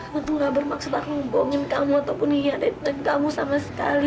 tentu gak bermaksud aku ngubomin kamu ataupun hianatin kamu sama sekali